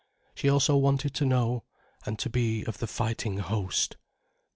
She also wanted to know, and to be of the fighting host.